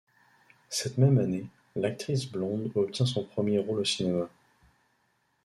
Cette même année, l'actrice blonde obtient son premier rôle au cinéma.